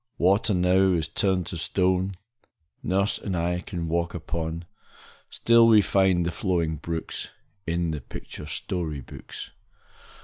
Water now is turned to stone Nurse and I can walk upon; Still we find the flowing brooks In the picture story books.